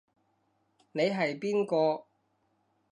你係邊個？